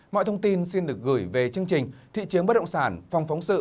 mọi thông tin xin được gửi về chương trình thị trường bất động sản phòng phóng sự